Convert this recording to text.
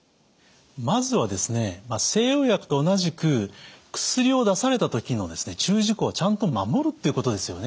まずは西洋薬と同じく薬を出された時の注意事項をちゃんと守るっていうことですよね。